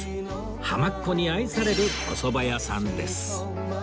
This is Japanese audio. ハマッ子に愛されるお蕎麦屋さんです